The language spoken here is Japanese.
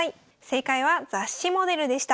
正解は雑誌モデルでした。